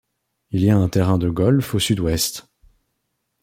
Il y a un terrain de golf au sud-ouest.